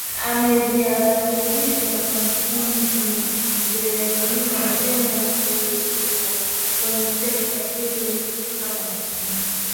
Ameziakribisha kampujni zenye dhamira njema ya kuwekeza kwenye sekta hiyo hapa nchini